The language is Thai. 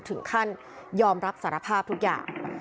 ถึงขั้นยอมรับสารภาพทุกอย่าง